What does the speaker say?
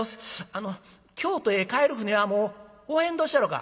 あの京都へ帰る舟はもうおへんどっしゃろか？」。